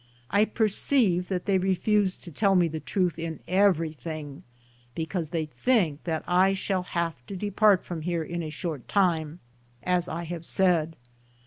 I perceive that they refuse to tell me the truth in everything, because they think that I shall have to depart from here in a short time, as I have said.